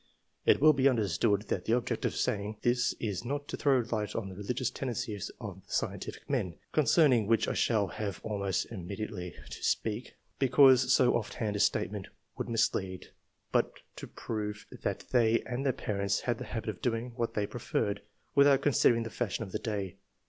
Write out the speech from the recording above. It will be understood that the object of saying this is not to throw light on the religious tendencies of the scientific men (concerning which I shall have almost imme diately to speak), because so ofF hand a statement would mislead, but to prove that they and their parents had the habit of doing what they preferred, without considering the fashion of the day.